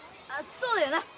そうだよな。